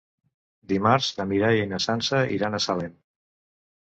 Dimarts na Mireia i na Sança iran a Salem.